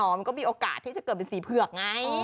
มันก็มีโอกาสที่จะเกิดเป็นสีเผือกไง